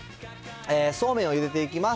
そうめんをゆでていきます。